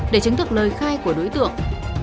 để chứng thực lời khai của đối tượng